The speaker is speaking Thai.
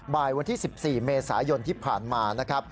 บ่ายวันที่๑๔เมษายนที่ผ่านมา